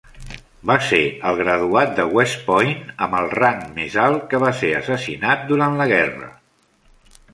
Va ser el graduat de West Point amb el rang més alt que va ser assassinat durant la guerra.